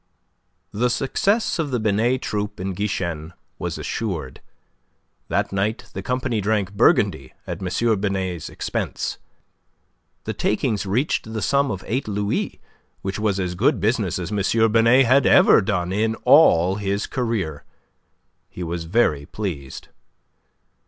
The success of the Binet troupe in Guichen was assured. That night the company drank Burgundy at M. Binet's expense. The takings reached the sum of eight louis, which was as good business as M. Binet had ever done in all his career. He was very pleased.